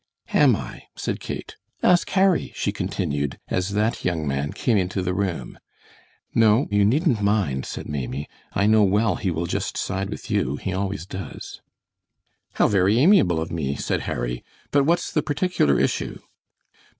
"Am I," said Kate; "ask Harry," she continued, as that young man came into the room. "No, you needn't mind," said Maimie; "I know well he will just side with you. He always does." "How very amiable of me," said Harry; "but what's the particular issue?"